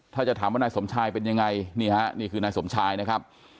ถ้าจะถามว่านายสมชายเป็นยังไงนี่ฮะนี่คือนายสมชายนะครับ